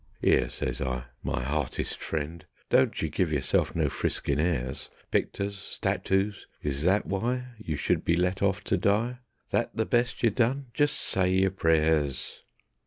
"'Ere," says I, "my hartist friend, Don't you give yerself no friskin' airs. Picters, statoos, is that why You should be let off to die? That the best ye done? Just say yer prayers."